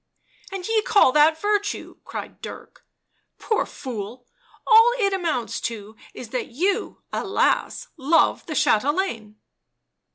" And ye call that virtue !" cried Dirk. " Poor fool — all it amounts to is that you, alas !— love the chatelaine."